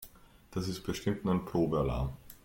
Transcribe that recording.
Das ist bestimmt nur ein Probealarm.